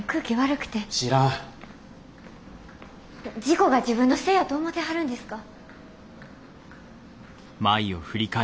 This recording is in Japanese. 事故が自分のせいやと思てはるんですか？